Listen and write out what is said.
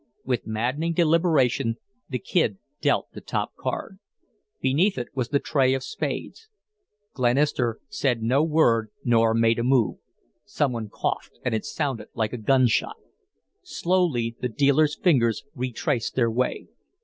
With maddening deliberation the Kid dealt the top card. Beneath it was the trey of spades. Glenister said no word nor made a move. Some one coughed, and it sounded like a gunshot. Slowly the dealer's fingers retraced their way.